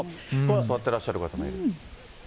座ってらっしゃる方がいる。